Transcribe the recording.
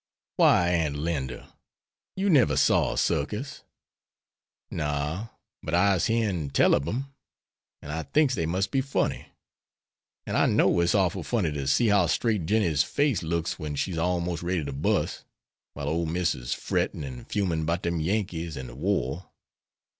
"Why, Aunt Linda, you never saw a circus?" "No, but I'se hearn tell ob dem, and I thinks dey mus' be mighty funny. An' I know it's orful funny to see how straight Jinny's face looks wen she's almos' ready to bust, while ole Miss is frettin' and fumin' 'bout dem Yankees an' de war.